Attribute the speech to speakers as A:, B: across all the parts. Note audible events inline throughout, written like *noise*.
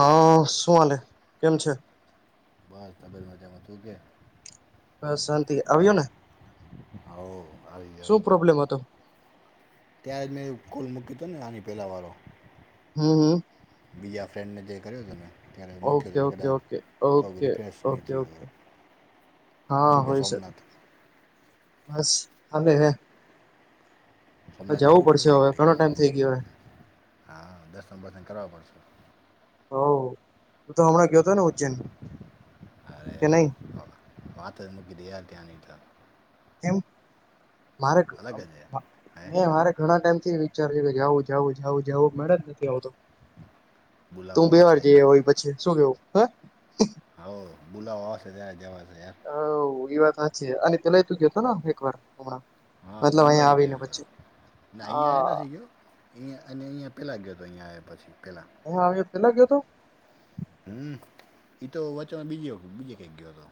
A: હા શું હાલે કેમ છે.
B: બસ તા બધુંબમજામાં તું કે.
A: બસ શાંતિ આવ્યો ને.
B: હા આવી ગયો
A: શું
B: આવી ગયો
A: પ્રોબ્લેમ હતો
B: ત્યાં જ મેં કુલ મૂકી તોને આની પહેલાં વારો.
A: *unintelligible*
B: બીજા ફ્રેન્ડને જે કર્યો હતો ને. ત્યારે મૂક્યો
A: ઓકે
B: હતો એટલે
A: ઓકે
B: કદાચ
A: ઓકે
B: થોડુંક
A: ઓકે
B: રિફ્રેશ નહીં
A: ઓકે
B: થઈ
A: ઓકે.
B: ગયો
A: હા
B: શું કે
A: હોય શકે
B: સોમનાથ
A: બસ હાલે હે.
B: સોમનાથ જવું પડશે એક
A: હવે
B: દસ
A: ઘણો ટાઈમ થઈ ગયો
B: હા દસ નબ કરવા પડશે.
A: હોવ તું તો હમણાં ગયો તો ને ઉજ્જૈન
B: અરે
A: કે નહી
B: વાત જ મૂકી દે ત્યાં ની ત્યાં
A: કેમ મારેક
B: અલગ જ છે
A: હે મારેઘણા ટાઈમથી વિચારી રહ્યો જાઉ જાઉ મળે જ નથી આવતો
B: બોલાવો
A: તું બે વાર
B: આવશે
A: જઈ આયો પછી શું કેવું
B: હોવ બોલાવો આવશે ત્યારે જવાશે યાર
A: હોવ એ વાત સાચી આની પેહલા તું ગયો તો ન એકવાર હમણાં
B: હા
A: મતલબ અહીંયા
B: દિવાળી
A: આવીને
B: ટાઈમે તો
A: પછી
B: ના અહીંયા એ
A: હા
B: નથી ગયો અહીંયા અને અહીંયા પેલાં ગ્યો તો અહીંયા આવ્યા પછી પહેલાં
A: હું આવ્યો એ પેહલા ગ્યો તો
B: હમ ઈતો વચન બીજ બીજે કઈક ગયો હતો.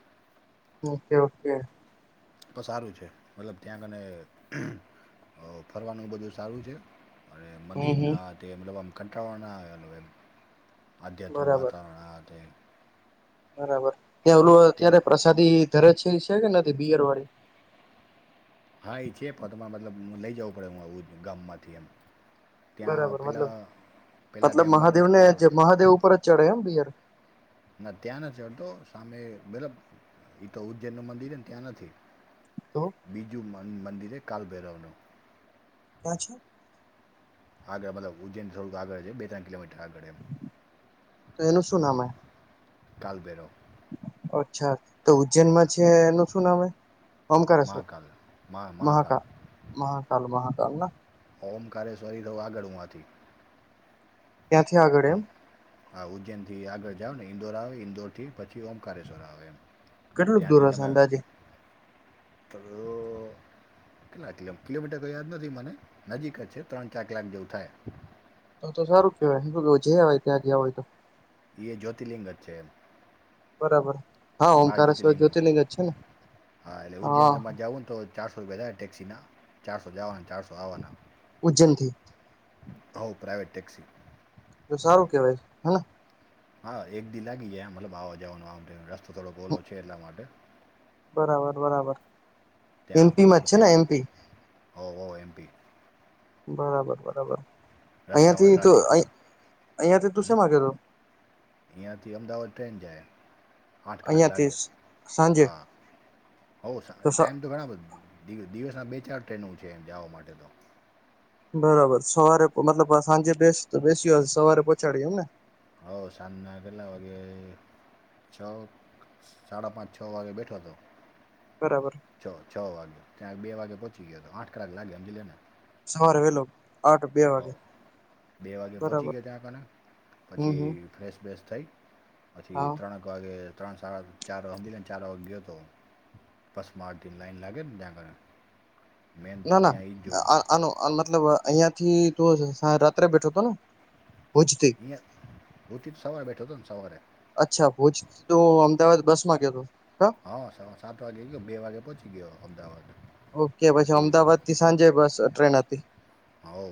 A: Okay okay.
B: તો સારું છે મતલબ ત્યાં તને. ઓ ફરવાનું બધું સારું છે. *unintelligible*
A: હમ હમ
B: મંદિરના તે મતલબ કંટાળો ના આવે એમ. આધ્યાત્મિક
A: બરાબર
B: વાતાવરણ આ તે
A: બરાબર ત્યાં ઓલું
B: ત્યાં
A: અત્યારે પ્રસાદી ધરે છે. છે કે નથી બિયર વાળી.
B: હા એ છે પદમાં મતલબ લઈ જવું પડે હું આવ ગામમાંથી એમ. ત્યાં
A: બરાબર મતલબ
B: પહેલાં પહેલાં
A: મતલબ
B: ત્યાં બારે
A: મહાદેવ ને
B: સ્ટોર
A: જે મહાદેવ ઉપર જ ચડે એમ બિયર.
B: ના ત્યાં નથી ચડતો સામે મતલબ એતો ઉજ્જૈનનું મંદિરને ત્યાં નથી.
A: તો
B: બીજુ મંદિરે કાલભેરવનું.
A: ક્યાં છે.
B: આગળ મતલબ ઉજ્જૈન જોવ તો આગળ બે ત્રણ કિલોમી
A: તો એનું શું નામ હે.
B: કાળભૈરવ.
A: અચ્છા તો ઉજ્જૈનમાં છે એનું શું નામ હે ઓમકારેશ્વર.
B: મહાકાલ મહા
A: મહાકાલ, મહાકાલ, મહાકાલના
B: ઓમકારે સરી *unintelligible* હવાથી
A: ત્યાંથી આગળ એમ
B: હા, ઉજ્જૈનથી આગળ જાવને ઇન્દોર આવે, ઇન્દોરથી પછી ઓમકારેશ્વર આવે, એમ
A: કેટલુંક દૂર હશે અંદાજે.
B: રો કેટલાક કિલોમીટર તો યાદ નથી મને નજીક જ છે, ત્રણ-ચાર કલાક જેવું થાય.
A: તો, ત સારું કેવાય કે જ હોય ત્યાં જ હોય તો.
B: એ જ્યોતિર્લિંગ જ છે. એમ
A: બરાબર. હા
B: બાર
A: ઓમકારેશ્વર જ્યોતિર્લિંગ જ છે
B: જ્યોતિર્લિંગનું
A: ને
B: હા એટલે ઉજ્જૈન સમાજ જવું ને તો ચારસો રૂપિયા જાય ટેક્સીના ચારસો, જવાના ચારસો, આવવાના
A: ઉજ્જૈનથી
B: હા, પ્રાઇવેટ ટેક્સી
A: તો સારું કેવાય હેને
B: હા, એક દિવસ લાગી જાય મતલબ આવવા, જવાનો આમ રસ્તો થોડો ખોલો છે. એટલા માટે
A: બરાબર, બરાબર એમપીમાં જ છે ને એમપી?
B: હા, એમ પીમાં.
A: બરાબર, બરાબર.
B: રસ્તામાં
A: અહિયાંથી
B: ટ્રાફિક હોય. હમ
A: *unintelligible* હતો.
B: અહીંયાથી અમદાવાદ ટ્રેન જાય આઠ કલાક
A: અહીંયાથી
B: લાગે
A: સાંજે
B: હા, ટાઈમ તો ઘણા બધા દિવસ બે-ચાર ટ્રેનો છે, એમ જવા માટે તો.
A: બરાબર, સવારે મતલબ સાંજે તો બેસ્યો સવારે પહોચાડી એમને.
B: હા, સાંજના કેટલા વાગે છ, સાડા પાંચ-છ વાગે બેઠો હતો.
A: બરાબર
B: છ છ વાગે ત્યાં બે વાગે પોહોંચી ગયો હતો આઠ કલાક લાગે સમજી લે ને
A: સવારે વેલો આઠ બે વાગે
B: હા, બે વાગે પહોચી
A: બરાબર
B: ગયા ત્યાં *unintelligible*
A: હમ
B: પછી
A: હમ
B: ફ્રેશ-બેસ થઈ પછી
A: હા
B: ત્રણેક વાગે ત્રણ-સાડા ચાર હમજીને ચાર વાગે ગયો હતો. બસમા *unintelligible* લાઈન લાગે *unintelligible* મેન
A: ના,
B: તો
A: ના
B: ત્યાં ઈ જો
A: અ આનો મતલબ અહિયાં થી તું રાત્રે ભેઠો હતો ને? ભુજથી,
B: અહીંયા હુંથી તો સવારે બેઠો હતો ને સવારે
A: અચ્છા ભુજ તો અમદાવાદ બસ
B: હા, સવા-સાત વાગે ગયો, બે વાગે પહોંચી ગયો. અમદાવાદ
A: ઓકે, પછી અમદાવાદથી સાંજે બસ-ટ્રેન હતી.
B: હઉ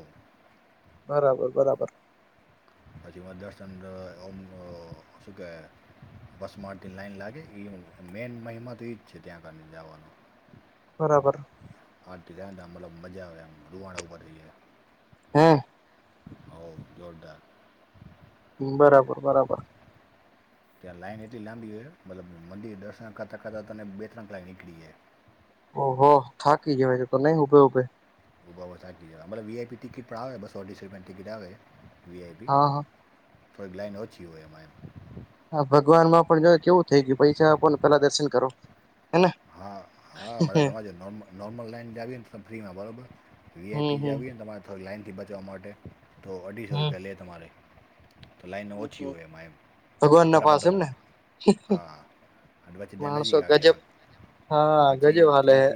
A: બરાબર, બરાબર.
B: પછી મા દર્શન આમ અ શું કે બસમાંથી લાઈન લાગે, એ મેન મહિમા તો એજ છે, ત્યાં આગળ જવાનું.
A: બરાબર.
B: *unintelligible* મતલબ મજા આવે, એમ રુવાડા ઉપર થઈ જાય.
A: હ
B: હા, જોરદાર.
A: બરાબર, બરાબર.
B: ત્યાં લાઈન એટલી લાંબી હોય મતલબ મંદિર દર્શન કરતા-કરતા તને બે લાઈન નીકળી જાય.
A: ઓ હો, થાકી જવાય છે તો નહી ઉભે-ઉભે
B: વી આઈ પી ટિકિટ પણ આવે, બસો-અઢીસો રૂપિયાની ટિકિટ આવે. વી આઈ પી
A: હા હા
B: થોડીક લાઈન ઓછી હોય, એમ એમાં.
A: હા, ભગવાનમાં પણ જોય કેવું થઈ ગયું, પૈસા આપોને પેલા દર્શન કરો. હેને
B: હા. હા મરે તમારે જો નોર્મલ નોર્મલ લાઈન જીએ ને તમે ફ્રીમાં બરાબર
A: હમ
B: વીઆઈપી
A: હમ
B: જાવીએ ને તમારે થોડી લાઈન. થી બચવા માટે તો અઢીસો
A: હમ
B: રૂપિયા લે તમારે. તો લાઈન ઓછી હોય એમાં એ તો
A: ભગવાન ના પાસે
B: ફટાફટો
A: એમને
B: હા. પછી
A: માણસો
B: દનજીક આવી.
A: ગજબ હા ગજુ હલે હે.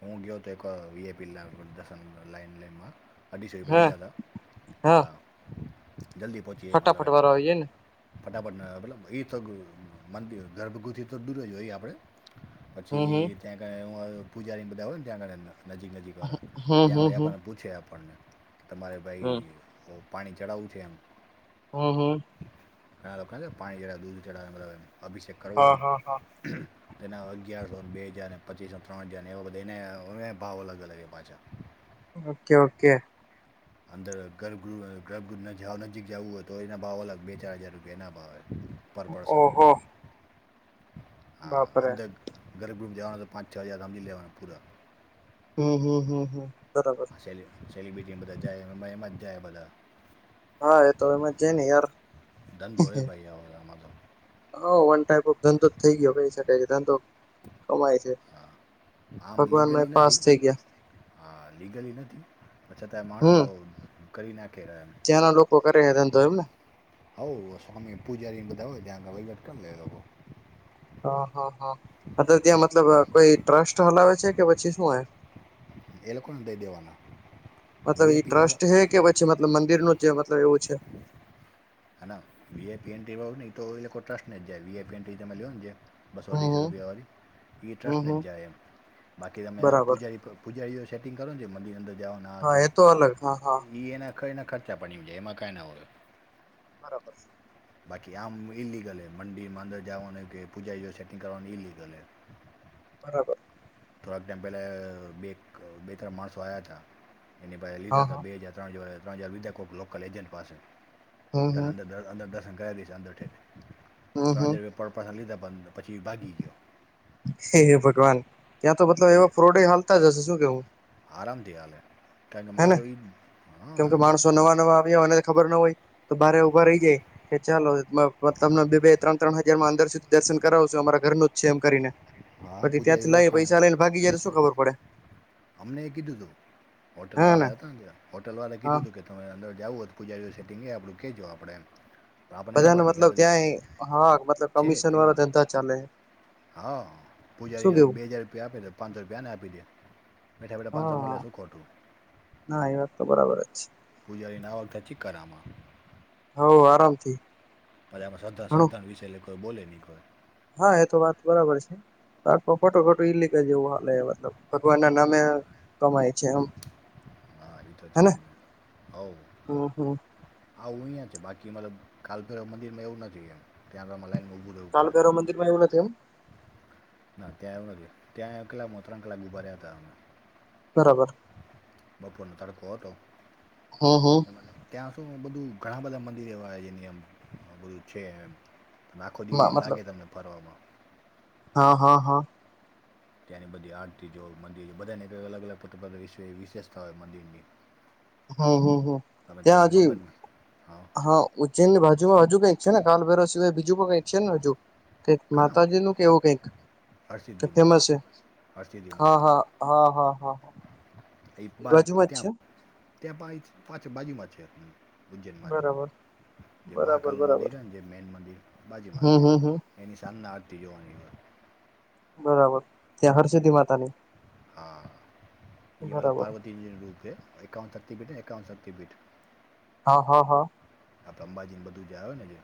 B: હું ગયો હતો એક વી આઈ પી ની લાઈનમાં *unintelligible* અઢીસો રૂપિયા
A: હા
B: લીધા
A: હા
B: તા.
A: ફટાફટ વાળા હોઈ જ ને.
B: ફટાફટ મતલબ એ તો માન ગર્ભગુથી તો દૂર એ આપણે
A: હમ
B: પછી
A: હમ
B: ત્યાં ગ હ પૂજારીને બધા ને ત્યાં ગ નજીક-નજીક વાળા
A: હમ
B: ત્યાં
A: હમ
B: વી
A: હમ
B: આપણને પૂછે આપણને કે તમારે
A: હમ
B: ભાઈ પાણી ચડાવવું છે એમ.
A: હ હા.
B: ઘણા લોકો પાણી જે દૂધ અભિષેક કરવો
A: હા હા હા
B: હોય. તેના અગિયારસો બે હજાર પચીસો ત્રણ હજાર એવા બધા એને ભાવ અલગ-અલગ એ પાછા.
A: ઓકે- ઓકે
B: અંદર ગર્ભ નજીક જવું હોય તો એના ભાવ અલગ બે ચાર હજાર રૂપિયાના ભાવ. પર પર્સન
A: ઓહો.
B: હા
A: બાપરે
B: અંદર ગ્રભગૃહ જવાનું તો પાંચ છ હજાર હમજી લેવાના પૂરા.
A: હમ્મ હમ્મ હમ્મ હમ્મ બરાબર.
B: આ સેલિ સેલિબ્રિટી બધા જાય મજ જાય બધા.
A: હા એ તો એમાં જ જાયને યાર.
B: ધંધો હે ભાઈ *unintelligible*
A: હા વન ટાઈપ ધંધો જ થઇ ગયો કહી શકાય કે ધંધો કમાય છે.
B: આમ
A: ભગવાન
B: લીગલી
A: મા પાસ
B: નથી
A: થઈ ગયા.
B: હા લીગલી નથી, પણ છતાંય માણસો કરી નાખે રહ્યા
A: ત્યાના લોકો કરે હે ધંધો એમને.
B: હઉ સ્વામી પૂજારીન બધા ત્યાં વહીવટ કર લે એ લોકો.
A: હ- હા-હા અ ત્યાં મતલબ કોઈ ટ્રસ્ટ હલાવે છે કે પછી શું હે?
B: એ લોકોને દઈ દેવાના.
A: મતલબ એ
B: વીઆઈપી વાળા
A: ટ્રસ્ટ છે કે પછી મતલબ મંદિરનુંું જે મતલબ એવું છે.
B: હઆ આ વીયાયપી એન્ટ્રી તો લોકો ટ્રસ્ટ જાયઆ તમે લ લો ને. બસો
A: હમ
B: અઢીસ
A: હમ
B: રૂપિયા વાળી એ
A: હમ
B: ટ્રસ્ટને
A: હમ
B: જ જાય એમ બાકી તમે
A: બરાબર
B: પૂજારી પૂજારીઓ શેટિંગો જે મંદીર અંદર જવાના આ તે
A: હા એ તો અલગ હા-હા.
B: એ એના કાંઈ ના ખર્ચા પાણીમાં વાઈ જઈ કંઈ ન હોય.
A: બરાબર છે.
B: બાકી આમ ઈલિગલ હ મંદિર માં અંદર જવાનું કે પૂજા સેટિંગ કરવાનું ઈલિગલ હ.
A: બરાબર.
B: થોડાક ટાઈમ પહેલા બે-બે ત્રણ માણસો આવ્યા હતા. એની પાસે લીધા
A: હા
B: હતા
A: હા
B: બે હજાર-ત્રણ હજાર- ત્રણ હજાર લીધા કોઈક લોકલ એજન્ટ પાસે.
A: હમ
B: ત
A: હમ
B: અંદર -અંદર દર્શન કરલી છે અંદર ઠેઠે ત્રણ હજાર લીધાંદર.
A: હ ભગવાન ત્યાં તો મતલબ એવા ફ્રોડ હાલતા જ હશે શું કેવું?
B: આરામ થી હાલે. કારણ કે
A: હે ને
B: માણસો એ
A: કેમ
B: હા
A: કે માણસો
B: કારણ-
A: નવા- નવા આવ્યા અને ખબર ના હોય. તો બારે ભા
B: હા,
A: રહી જાય કે ચાલો તમને બે ત્રણ -ત્રણ હજાર માં અંદર સુધી દર્શન કરાવું છો અમારા ઘરનું જ છે એમ કરીને.
B: હા
A: પછી
B: પૂજારી
A: ત્યાંથી લઈ
B: ઓળખાણ
A: પૈસા લઈને ભાગી જાય તો શું ખબર પડે.
B: અમને એ કીધું તું
A: હા ને
B: હોટેલવાળા હતા ન ત્યાં હોટેલવાળા એ
A: હા
B: કીધું તું કે તમે અંદર જાવું હોય તો પૂજારીનું સેટિંગ હે આપણું કેહેજો આપણે એમ. પણ આપણને
A: બધાને
B: ખબર હતી કે આ
A: મતલબ
B: બધી
A: ત્યાં એ, હા મતલબ
B: છે
A: કમિશનવાળા
B: પીલામાં
A: ધંધા ચાલે હે.
B: હા, પૂજારીને આજ બે હજાર રૂપિયા આપે પાંચસો રૂપિયાને આપી દે. બેઠા બેઠા પાંચસો મળે
A: હા
B: શું ખોટું
A: ના એ વાત તો બરાબર જ
B: ના વખત નથી કરમાં
A: હવ આરામથી
B: પછી એમાં શ્રદ્ધા
A: ઘણું
B: શ્રદ્ધા વિશે એલે કોઈ બોલે નહી કોઈ,
A: હા એ તો વાત બરાબર છે. ખોટું ખોટું ઈલિગલ જેવું હાલે, મતલબ ભગવાનના નામે કમાય છે એમ
B: હા એ તો છે
A: હેને
B: જ ને હવ
A: હમ હમ
B: આવું અહીંયા છે બાકી મતલબ કાલભેરવ મંદિરમાં એવું નથી એમ ત્યાં લાઇન
A: કાલભૈરવ મંદિરમાં એવું નથી એમ
B: ના ત્યાં આવું નથી, ત્યાં આવ કલાકમાં ત્રણ કલાક બ ઉભા રહ્યા હતા એમને
A: બરાબર
B: બપોરનો તડકો હતો,
A: હમ હમ
B: ત્યાં તો બધું ઘણા બધા મંદિર એવા હે છે એમ બધું છે આખો દિય
A: મતલબ
B: લાગે તમને ફરવામાં
A: હા હા હા
B: ત્યાંની બધી આરતી જો મંદિર બધાની અલગ અલગ વિશેષતા હોય મંદિરની
A: હુ હૂ હુ
B: તમે તમને
A: ત્યાં હજી
B: મગન
A: હા ઉજ્જૈનની બાજુમાં બાજુ કઈક છે ને કાલભૈરવ સિવાય બીજું પણ કઈક છે ને હજુ
B: ઘણા
A: માતાજીનું કેવું કઈક
B: હરસિદ્ધિ
A: ફેમસ
B: માતા
A: છે,
B: હરસિદ્ધિ
A: હા
B: માતાનું
A: હા હા હા હા
B: એ ત્યાં
A: બાજુમાં જ છે
B: ત્યાં પણ પાછળ બાજુમાં છે. ઉજ્જૈનમાં‌
A: બરાબર
B: જ- જે
A: બરાબર
B: મહાકાલનું મંદિર
A: બરાબર
B: જે મેન મંદિર બાજુમાં
A: હમ
B: છે,
A: હમ હમ
B: એની સાંજના આરતી જોવાની હોય
A: બરાબર ત્યાં હર્ષદી માતાની
B: હા એ મતલબ
A: બરાબર
B: પાર્વતીજી રૂતેે એકાવન શક્તિ પિઠ એકાવન શક્તિ પિઠ
A: હા હા
B: આ અંબાજીને બધું જે આવને જે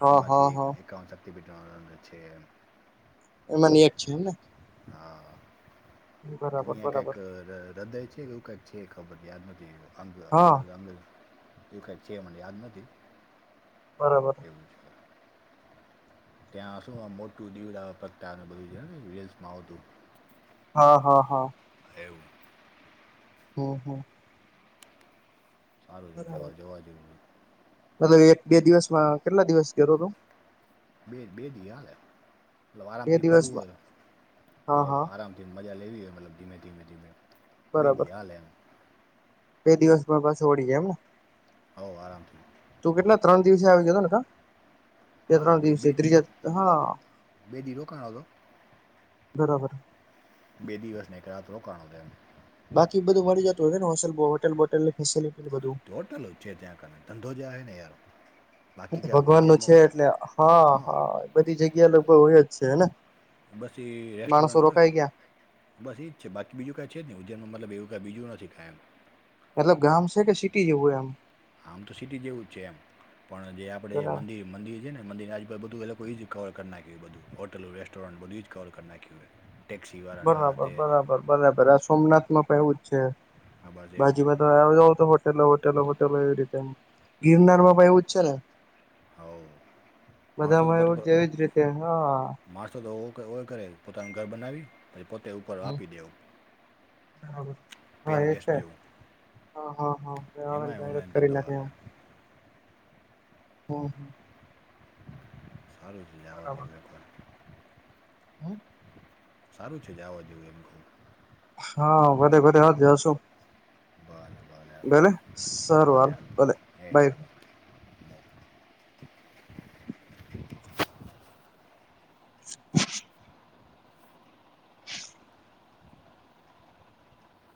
A: હા હા
B: એમાંથી
A: હા
B: એકાવન *unintelligible*
A: એમાંની એક છે, એમને
B: તુ
A: બરાબર
B: ન્યા કાંઈક ક
A: બરાબર
B: અ હૃદય છે એક જ છે એ ખબ ધ્યાન નથી એવું
A: હા
B: *unintelligible* યાદ નથી,
A: બરાબર
B: એવું છે. ત્યાં શું આમ મોટું દીવડા પ્રગટાવે ને બધું‌ રિલ્સમા આવતું.
A: હા હા હા
B: એવું
A: હમ્મ હમ્મ
B: સારું છે જવા જોવા જેવું
A: મતલબ એક બે દિવસમાં કેટલા દિવસ કરો તો
B: બે બે દિ હાલે,
A: બે
B: આરામથી ફરવું
A: દિવસમાં
B: હોય
A: હા
B: હવ
A: હા
B: આરામથી મજ લેવી હોય મતલબ ધીમે ધીમે ધીમે બે દિ
A: બરાબર
B: હાલે એમ
A: બે દિવસ માં પાસે ઓડી ગયા એમને,
B: હોવ આરામથી
A: તું કેટલા ત્રણ દિવસે આવી ગયો ને હ
B: હા બે બે બે દિ રોકાણો તો
A: બરાબર
B: બે દિવસને એક રાત રોકાણો છે એમ
A: બાકી બધું મળી જતું ને હોટેલ બોટેલની ફેસિલિટી બધું
B: હોટલુ જ છે ત્યા તો ધંધો છેને યાર બાકી ક્યાં
A: ભગવાન નુ
B: ઉજ્જૈનમાં
A: છે લિયા હા હા વડે હું છે
B: બસ
A: માણસો રોકાઈ ગયા
B: એવુ આ બીજું નથી શીખા
A: મતલબ ગામ છે કે સિટી જેવું એમ
B: આમ તો સિટી જેવું જ છે એમ પણ જે આપણે મંદિર મંદી જે ને મંદિર ના આજુ બાજુ બધું એ લોકો એ એજ કવર કર નાખ્યું બધું હોટલો રેસ્ટોરન્ટ બધું એજ કવર કર નાખ્યું હે
A: બરાબર બરાબર બરાબરઆ સોમનાથ માં પણ એવું જ છે
B: આ બસ એવું
A: બાજીમાં તો આવ જાવ તો હોટેલો હોટેલો હોટલો એવી રીતે ગિરનાર માં ભાઈ એવું જ છે ને
B: હોવ માણસો તો
A: બધામાં
B: પોતે
A: એવું જેવીજ રીતે હા
B: માણસો તો ઓય કરે પોતાનું ઘર બનાવી પછી પોતે ઉપર આપી દેવ
A: બરાબર હા એ છે હા હા હા *unintelligible*
B: એમાંય
A: જાહેરાત
B: ઓનલાઈન
A: કરી
B: ધંધો
A: નાખે
B: હાલે
A: એ
B: *inaudible*
A: હા હમ
B: સારું ચીજ આવા જેવખર
A: હમ
B: સારું છે જાવા જોવું એમ ખઉ
A: હા *unintelligible*
B: બર
A: ભલે સરાર વાલ ભલે
B: એ
A: બાય
B: ભલે *inaudible*
A: *inaudible*